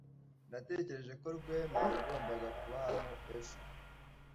Natekereje ko Rwema yagombaga kuba hano ejo.